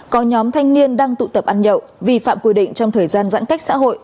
có nhóm thanh niên đang tụ tập ăn nhậu vi phạm quy định trong thời gian giãn cách xã hội